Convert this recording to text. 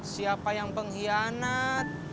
siapa yang pengianat